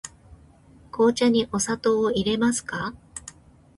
紅茶にお砂糖をいれますか。